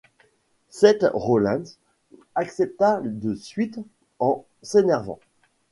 Seth Rollins accepta de suite en s'énervant.